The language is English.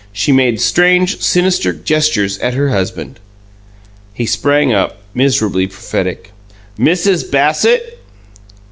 She made strange, sinister gestures at her husband. He sprang up, miserably prophetic. "Mrs. Bassett?"